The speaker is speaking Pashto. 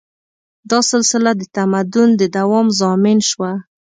دا سلسله د تمدن د دوام ضامن شوه.